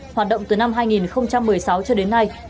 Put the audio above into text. hoạt động từ năm hai nghìn một mươi sáu cho đến nay